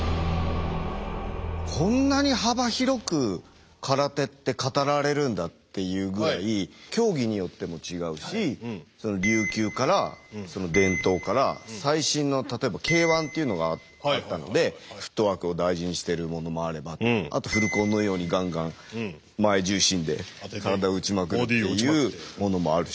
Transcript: こんなに幅広く空手って語られるんだっていうぐらい競技によっても違うし琉球から伝統から最新の例えばＫ−１っていうのがあったのでフットワークを大事にしてるものもあればあとフルコンのようにガンガン前重心で体打ちまくるっていうものもあるし。